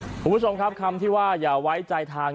คุณผู้ชมครับคำที่ว่าอย่าไว้ใจทาง